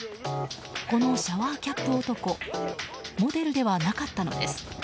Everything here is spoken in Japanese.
このシャワーキャップ男モデルではなかったのです。